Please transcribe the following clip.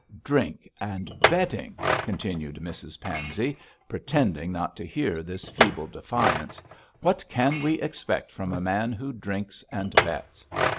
'Drink and betting,' continued Mrs Pansey, pretending not to hear this feeble defiance. 'What can we expect from a man who drinks and bets?'